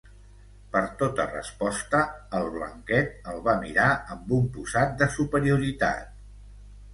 Per tota resposta, el Blanquet el va mirar amb un posat de superioritat.